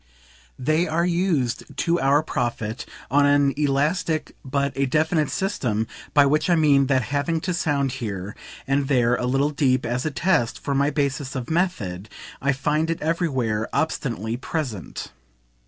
They are used, to our profit, on an elastic but a definite system; by which I mean that having to sound here and there a little deep, as a test, for my basis of method, I find it everywhere obstinately present.